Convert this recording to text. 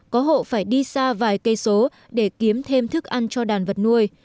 có hộ phải đi xa vài cây số để kiếm thêm thức ăn cho đàn vật nuôi